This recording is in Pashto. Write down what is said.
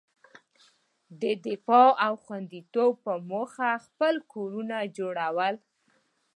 د دفاع او خوندیتوب په موخه خپل کورونه جوړول.